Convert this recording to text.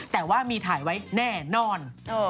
แต่ว่ามีถ่ายไว้แน่นอน